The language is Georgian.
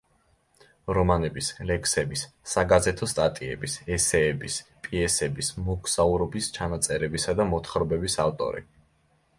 რომანების, ლექსების, საგაზეთო სტატიების, ესეების, პიესების, მოგზაურობის ჩანაწერებისა და მოთხრობების ავტორი.